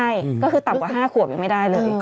ใช่ก็คือต่ำกว่า๕ขวบยังไม่ได้เลย